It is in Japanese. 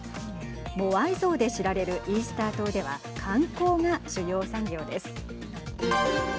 モアイ像で知られるイースター島では観光が主要産業です。